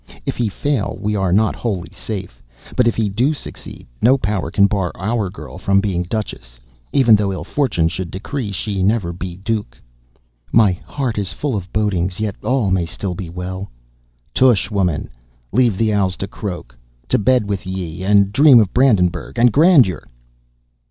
If he fail, we are not wholly safe; but if he do succeed, no power can bar our girl from being Duchess e'en though ill fortune should decree she never should be Duke!" "My heart is full of bodings, yet all may still be well." "Tush, woman! Leave the owls to croak. To bed with ye, and dream of Brandenburgh and grandeur!"